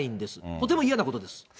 とても嫌なことです。